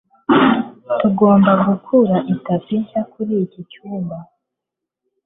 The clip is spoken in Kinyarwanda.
tugomba kugura itapi nshya kuri iki cyumba